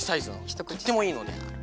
とってもいいのである。